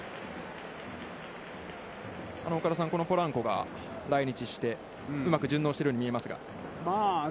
岡田さん、ポランコが来日してうまく順応してるように見えますが。